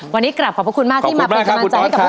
วันนี้กลับขอบคุณมากที่มาเป็นกำลังใจกับพวกเราค่ะ